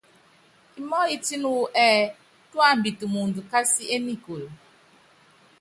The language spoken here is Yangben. Imɔyítíni wú ɛɛ tuambitɛ mɔɔnd kási énikúlu.